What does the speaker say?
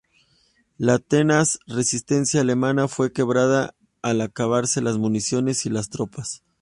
La tenaz resistencia alemana fue quebrada al acabarse las municiones y las tropas.